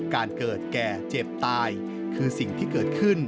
การเกิดแก่เจ็บตายคือสิ่งที่เกิดขึ้น